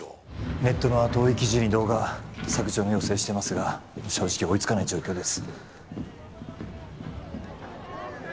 ネットの後追い記事に動画削除の要請してますが正直追いつかない状況です